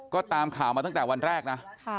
ก็ตามข่าวมาตั้งแต่วันแรกนะ